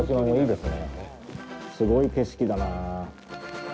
すごい景色だなあ。